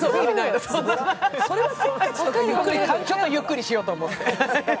ちょっとゆっくりしようと思って。